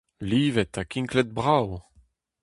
Livet ha kinklet brav.